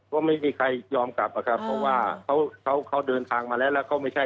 ว่าไม่มีใครยอมกลับอะครับเพราะว่าเขาเขาเดินทางมาแล้วแล้วก็ไม่ใช่